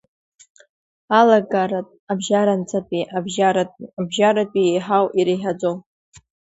Алагаратә, абжьаранӡатәи, абжьаратәи, абжьаратәи иеиҳау, иреиҳаӡоу.